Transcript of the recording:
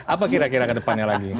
apa kira kira ke depannya lagi